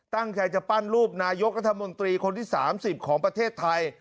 ตั้งใจจะปั้นรูปนายกรัฐมนตรีคนที่๓๐ของประเทศไทย